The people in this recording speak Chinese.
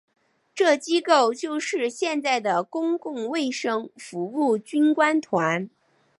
这机构就是现在的公共卫生服务军官团。